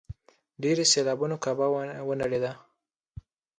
ډېرو سېلابونو کعبه ونړېده.